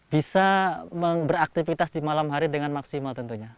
bisa beraktivitas di malam hari dengan maksimal tentunya